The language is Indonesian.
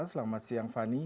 selamat siang fani